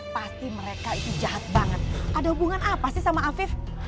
pasti mereka itu jahat banget ada hubungan apa sih sama afif